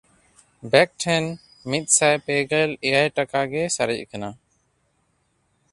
ᱵᱮᱠ ᱴᱷᱮᱱ ᱢᱤᱫᱥᱟᱭ ᱯᱮᱜᱮᱞ ᱮᱭᱟᱭ ᱴᱟᱠᱟ ᱜᱮ ᱥᱟᱨᱮᱡ ᱠᱟᱱᱟ᱾